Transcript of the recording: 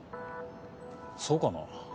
そうかな？